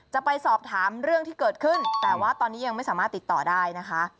จะไปสอบถามเรื่องที่เกิดขึ้นแต่ว่าตอนนี้ยังไม่สามารถติดต่อได้นะคะ